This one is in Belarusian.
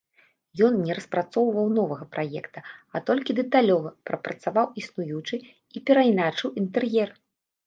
Ён не распрацоўваў новага праекта, а толькі дэталёва прапрацаваў існуючы і перайначыў інтэр'ер.